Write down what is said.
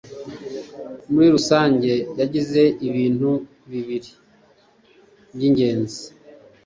muri rusange yagize ibintu bibili by'ingenzi